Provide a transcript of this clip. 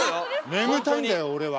眠たいんだよ俺は。